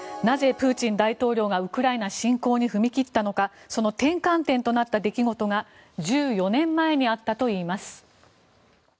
なぜ、プーチン大統領がウクライナ侵攻に踏み切ったのかその転換点となった出来事が１４年前にあったといいます。